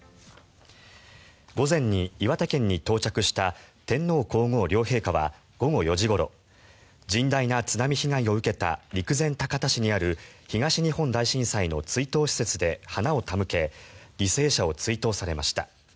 午前に岩手県に到着した天皇・皇后両陛下は午後４時ごろ甚大な津波被害を受けた陸前高田市にある東日本大震災の追悼施設で花を手向け犠牲者を追悼されました。